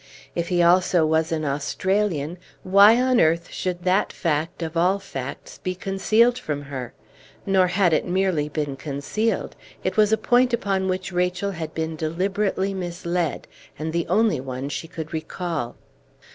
If he also was an Australian, why on earth should that fact, of all facts, be concealed from her? Nor had it merely been concealed; it was a point upon which Rachel had been deliberately misled, and the only one she could recall.